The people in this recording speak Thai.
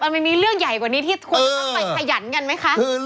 มันมีเรื่องใหญ่กว่านี้ที่ควรจะต้องไปขยันกันไหมคะ